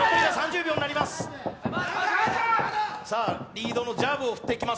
リードのジャブを振っていきます。